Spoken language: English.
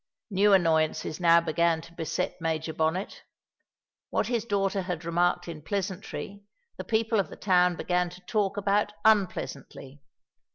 New annoyances now began to beset Major Bonnet. What his daughter had remarked in pleasantry, the people of the town began to talk about unpleasantly.